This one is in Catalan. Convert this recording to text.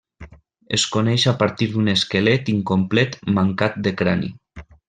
Es coneix a partir d'un esquelet incomplet mancat de crani.